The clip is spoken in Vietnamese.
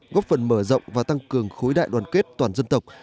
góp phần mở rộng và tăng cường khối đại đoàn kết toàn dân tộc